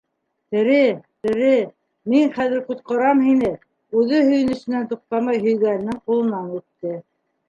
Тере, тере, мин хәҙер ҡотҡарам һине, -үҙе һөйөнөсөнән туҡтамай һөйгәненең ҡулынан үпте.